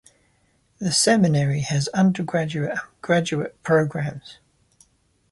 The seminary has undergraduate and graduate programs.